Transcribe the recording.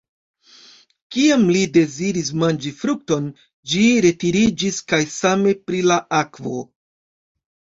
Kiam li deziris manĝi frukton, ĝi retiriĝis kaj same pri la akvo.